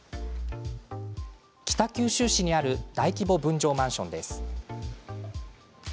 北九州市にある大規模分譲マンションです。